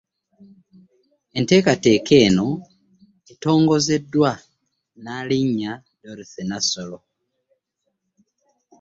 Enteekateeka eno, etongozeddwa Nnaalinnya Dorothy Nassolo